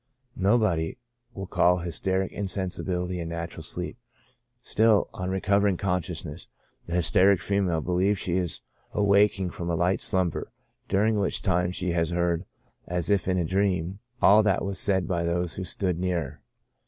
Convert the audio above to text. Nobody will call hysteric insensibility a natural sleep ; still, on recovering consciousness, the hysteric female believes she is awaking from a light slumber, during which time she has heard, as if in a dream, all that was said by those who stood near her.